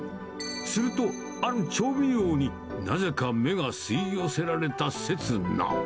すると、ある調味料になぜか目が吸い寄せられたせつな。